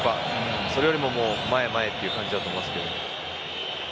それよりも前へ、前へっていう感じだと思いますけど。